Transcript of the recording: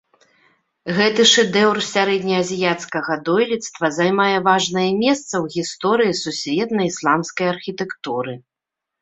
Гэты шэдэўр сярэднеазіяцкага дойлідства займае важнае месца ў гісторыі сусветнай ісламскай архітэктуры.